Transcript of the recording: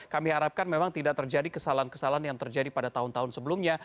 kami harapkan memang tidak terjadi kesalahan kesalahan yang terjadi pada tahun tahun sebelumnya